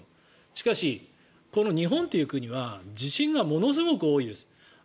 しかし、この日本という国は地震がものすごく多いです。